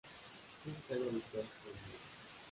Kim sale a buscar su familia.